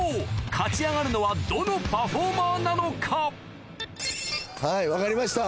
勝ち上がるのはどのパフォーマーなのかはいわかりました